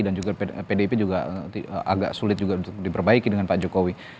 dan juga pdip juga agak sulit untuk diperbaiki dengan pak jokowi